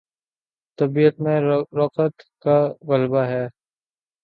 طبیعت میں رقت کا غلبہ ہے۔